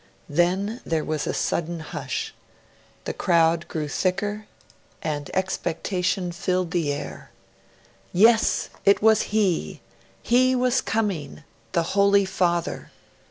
Then there was a sudden hush: the crowd grew thicker and expectation filled, the air. Yes! it was he! He was coming! The Holy Father!